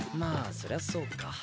そりゃそうか。